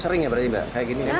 sering ya berarti mbak kayak gini ya